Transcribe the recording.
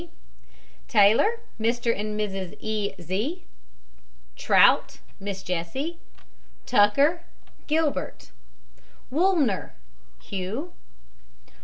G. TAYLOR, MR. AND MRS. E. Z TROUT, MISS JESSIE. TUCKER, GILBERT. WOOLNER, HUGH.